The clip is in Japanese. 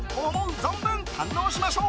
存分堪能しましょう。